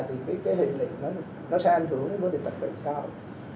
thì hệ lịch sẽ ảnh hưởng đến tật tệ sau